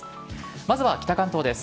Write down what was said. まずは北関東です。